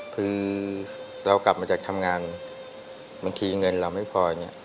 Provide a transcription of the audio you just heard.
คือเรากลับมาจากทำงานบางทีเงินเราไม่พออย่างนี้